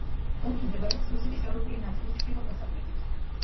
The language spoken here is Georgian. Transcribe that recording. ოლქი მდებარეობს რუსეთის ევროპული ნაწილის ჩრდილო-დასავლეთით.